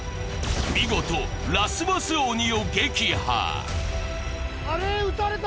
見事ラスボス鬼を撃破あれ？